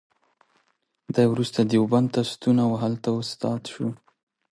دی وروسته دیوبند ته ستون او هلته استاد شو.